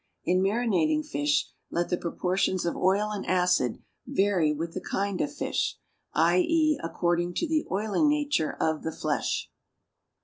In marinating fish, let the proportions of oil and acid vary with the kind of fish; i.e., according to the oily nature of the flesh.